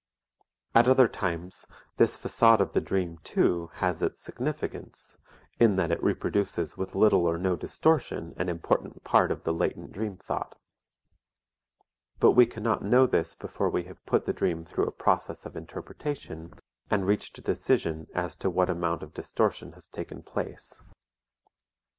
At other times this facade of the dream, too, has its significance, in that it reproduces with little or no distortion an important part of the latent dream thought. But we cannot know this before we have put the dream through a process of interpretation and reached a decision as to what amount of distortion has taken place.